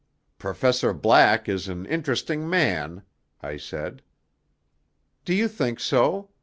"Professor Black is an interesting man," I said. "Do you think so?"